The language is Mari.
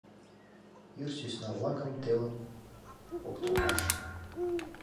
ИР СӦСНА-ВЛАКЫМ ТЕЛЫМ ПОКТЫЛМАШ